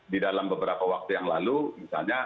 di dalam beberapa waktu yang lalu misalnya